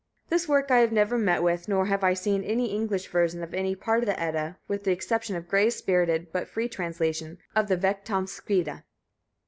This work I have never met with; nor have I seen any English version of any part of the Edda, with the exception of Gray's spirited but free translation of the Vegtamskvida.